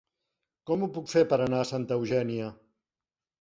Com ho puc fer per anar a Santa Eugènia?